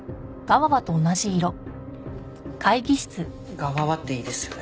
「ガワワ」っていいですよね。